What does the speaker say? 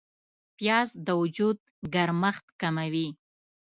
پیاز د وجود ګرمښت کموي